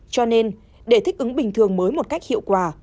cho nên để thích ứng bình thường mới một cách hiệu quả